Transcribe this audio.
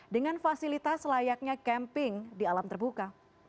dengan fasilitas layaknya camping di alam terbuka